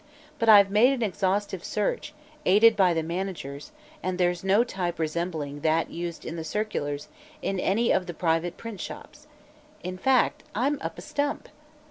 But I've made an exhaustive search, aided by the managers, and there's no type resembling that used in the circulars in any of the private print shops. In fact, I'm up a stump!"